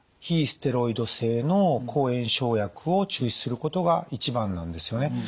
非ステロイド性の抗炎症薬を中止することが一番なんですよね。